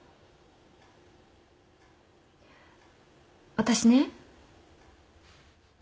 私ね。